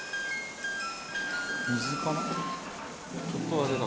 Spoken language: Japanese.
水かな？